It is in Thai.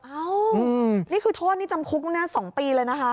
อ้าวนี่คือโทษที่จำคุกหน้า๒ปีเลยนะคะ